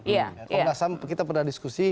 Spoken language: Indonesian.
komnas ham kita pernah diskusi